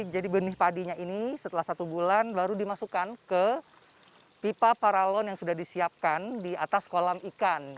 jadi benih padinya ini setelah satu bulan baru dimasukkan ke pipa paralon yang sudah disiapkan di atas kolam ikan